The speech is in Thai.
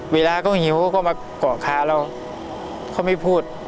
เวลาเขาหิวก็มาเกาะคาเราเขาไม่พูด